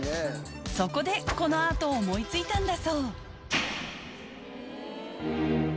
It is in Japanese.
そこでこのアートを思い付いたんだ